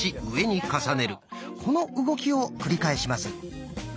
この動きを繰り返します。